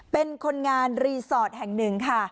เป็นคนงานรีสอร์ทแห่งหนึ่งค่ะ